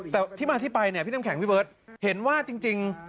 แต่ที่มาที่ไปเนี่ยพี่น้ำแข็งพี่เบิร์ตเห็นว่าจริง